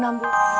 kau mau ngapain